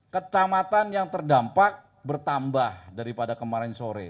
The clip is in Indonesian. kecamatan yang terdampak bertambah daripada kemarin sore